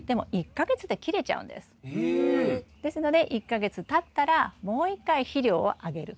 ですので１か月たったらもう一回肥料をあげる。